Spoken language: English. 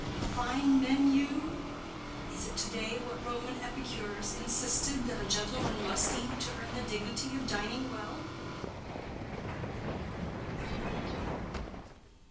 A fine menu— Is it to day what Roman epicures Insisted that a gentleman must eat To earn the dignity of dining well?